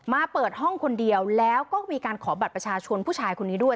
เปิดห้องคนเดียวแล้วก็มีการขอบัตรประชาชนผู้ชายคนนี้ด้วย